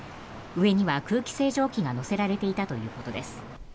上には空気清浄機が乗せられていたということです。